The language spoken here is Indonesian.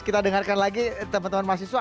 kita dengarkan lagi teman teman mahasiswa